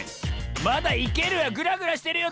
まだいける⁉ぐらぐらしてるよ。